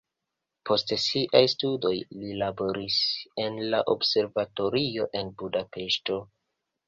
Post siaj studoj li laboris en la observatorio en Budapeŝto.